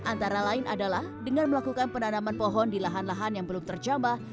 antara lain adalah dengan melakukan penanaman pohon di lahan lahan yang belum terjambah